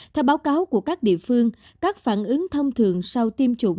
theo báo cáo của các địa phương các phản ứng thông thường sau tiêm chủng